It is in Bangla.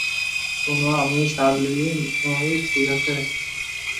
শোনো, আমি সালি নই, ঠিক আছে?